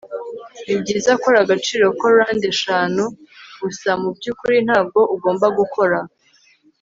nibyiza kora agaciro ka rand eshanu gusa. mubyukuri, ntabwo ugomba gukora